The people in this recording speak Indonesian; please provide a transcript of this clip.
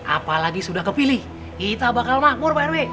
apalagi sudah kepilih kita bakal makmur pak rw